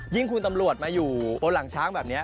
คุณตำรวจมาอยู่บนหลังช้างแบบนี้